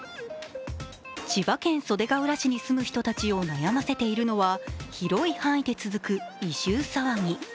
千葉県袖ケ浦市に住む人たちを悩ませているのは広い範囲で続く異臭騒ぎ。